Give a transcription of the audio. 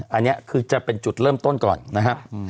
อันนี้คือจะเป็นจุดเริ่มต้นก่อนนะครับ